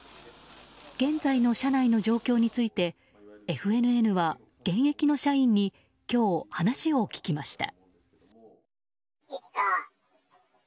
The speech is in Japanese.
現在の社内の状況についてＦＮＮは現役の社員に今日、話を聞きました。